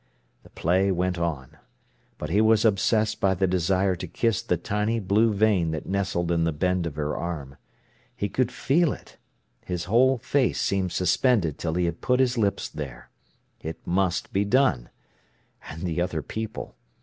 The play went on. But he was obsessed by the desire to kiss the tiny blue vein that nestled in the bend of her arm. He could feel it. His whole face seemed suspended till he had put his lips there. It must be done. And the other people!